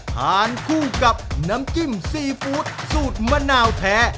ทานคู่กับน้ำจิ้มซีฟู้ดสูตรมะนาวแท้